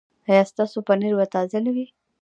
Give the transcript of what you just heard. ایا ستاسو پنیر به تازه نه وي؟